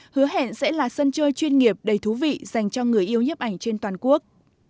có thể sẽ là sân chơi chuyên nghiệp đầy thú vị dành cho người yêu nhiếp ảnh trên toàn quốc